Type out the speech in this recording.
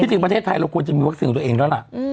จริงประเทศไทยเราควรจะมีวัคซีนของตัวเองแล้วล่ะ